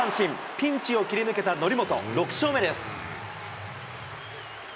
ピンチを切り抜けた則本、６勝目です。